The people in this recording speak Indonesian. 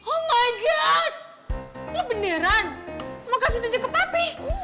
oh my god lo beneran mau kasih itu aja ke papi